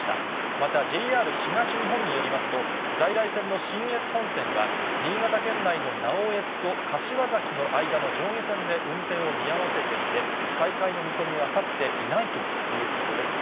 また、ＪＲ東日本によりますと、在来線の信越本線は、新潟県内の直江津と柏崎の間の上下線で運転を見合わせていて、再開の見込みは立っていないということです。